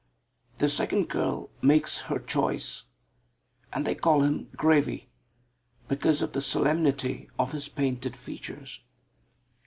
The second girl makes her choice, and they call him "Gravey" because of the solemnity of his painted features.